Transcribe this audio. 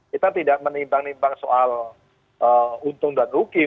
kita tidak menimbang nimbang soal untung dan rugi